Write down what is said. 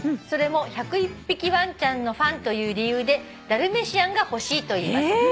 「それも『１０１匹わんちゃん』のファンという理由でダルメシアンが欲しいと言います」